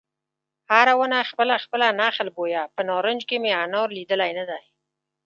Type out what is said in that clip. هره ونه خپله خپله نخل بویه په نارنج کې مې انار لیدلی نه دی